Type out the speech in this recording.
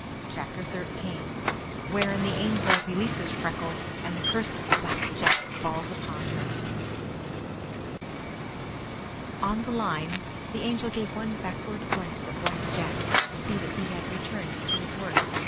CHAPTER XIII Wherein the Angel Releases Freckles, and the Curse of Black Jack Falls upon Her On the line, the Angel gave one backward glance at Black Jack, to see that he had returned to his work.